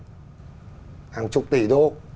hàng chục tỷ đô